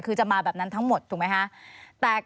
คือจะมาแบบนั้นทั้งหมดถูกไหมคะ